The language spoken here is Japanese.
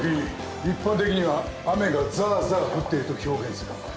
一般的には雨がザーザー降っていると表現する。